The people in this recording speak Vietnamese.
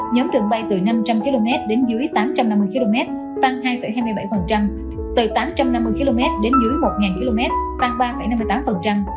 nhóm đường bay từ năm trăm linh km đến dưới tám trăm năm mươi km tăng hai hai mươi bảy từ tám trăm năm mươi km đến dưới một km tăng ba năm mươi tám